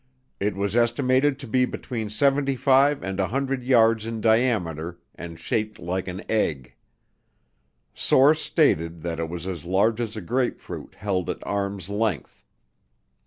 It was estimated to be between 75 and 100 yards in diameter and shaped like an egg. Source stated that it was as large as a grapefruit held at arm's length.